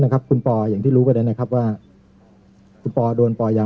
นะครับคุณปอย่างที่รู้กันได้นะครับว่าคุณปโดนปอยา